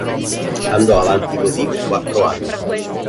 Andò avanti così per quattro anni.